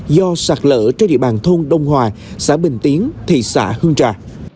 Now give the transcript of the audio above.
do sạt lỡ trên địa bàn thôn đông hòa xã bình tiến thị xã hương trà